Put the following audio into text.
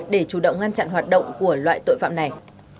để chủ động ngăn chặn hoạt động của loại tội phạm này